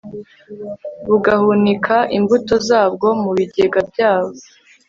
bugahunika imbuto zabwo mu bigega byabo